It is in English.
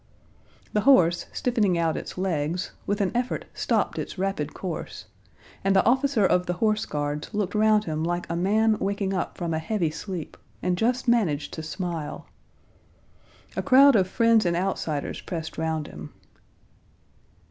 The horse, stiffening out its legs, with an effort stopped its rapid course, and the officer of the horse guards looked round him like a man waking up from a heavy sleep, and just managed to smile. A crowd of friends and outsiders pressed round him.